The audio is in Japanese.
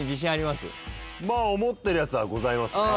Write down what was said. まあ思ってるやつはございますね。